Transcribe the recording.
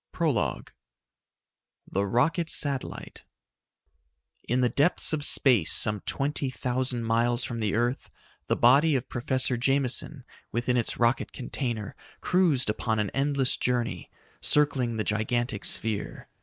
_ PROLOGUE The Rocket Satellite In the depths of space, some twenty thousand miles from the earth, the body of Professor Jameson within its rocket container cruised upon an endless journey, circling the gigantic sphere.